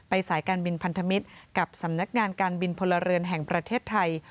สายการบินพันธมิตรกับสำนักงานการบินพลเรือนแห่งประเทศไทย